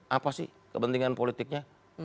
apa sih kepentingan politiknya